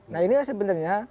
nah ini sebenarnya